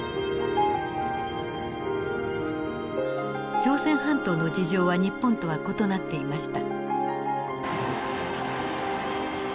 朝鮮半島の事情は日本とは異なっていました。